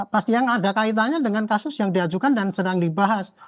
pasti yang ada kaitannya dengan kasus yang diajukan dan sedang dibahas